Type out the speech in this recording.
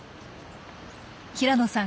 平野さん